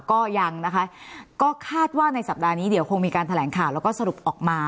ก็ยังนะคะก็คาดว่าในสัปดาห์นี้เดี๋ยวคงมีการแถลงข่าวแล้วก็สรุปออกมา